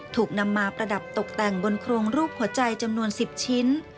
ถูกนำมาประดับตกแต่งบนโครงรูปหัวใจจำนวน๑๐ชิ้น